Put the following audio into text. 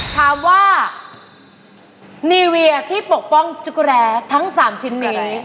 ถามว่านีเวียที่ปกป้องจุกแร้ทั้ง๓ชิ้นนี้